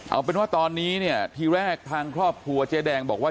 เอาเป็นว่าตอนนี้เนี่ยทีแรกทางครอบครัวเจ๊แดงบอกว่า